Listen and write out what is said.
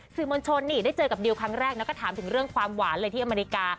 สื่อมวลชนนี่ได้เจอกับดิวครั้งแรกแล้วก็ถามถึงเรื่องความหวานเลยที่อเมริกา